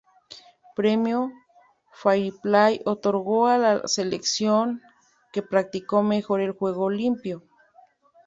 Premio "Fairplay" otorgado a la selección que practicó mejor el juego limpio.